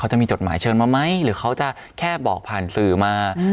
จะมีจดหมายเชิญมาไหมหรือเขาจะแค่บอกผ่านสื่อมา